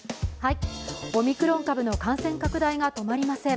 オミクロン株の感染拡大が止まりません。